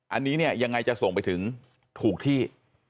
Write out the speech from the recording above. อันนี้เนี่ยยังไงจะส่งไปถึงถูกที่